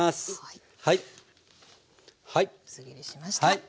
薄切りしました。